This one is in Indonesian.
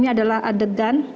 bisa terlihat barada richard eliza